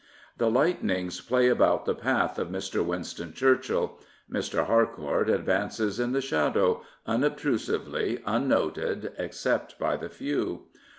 The lightnings play about the path of Mr. Winston Churchill: Mr. Harcourt advances in the shadow, un obtrusively, unnoted, except by the few.